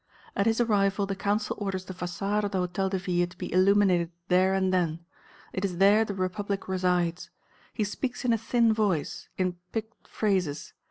At his arrival the Council orders the façade of the Hôtel de Ville to be illuminated there and then. It is there the Republic resides. He speaks in a thin voice, in picked phrases.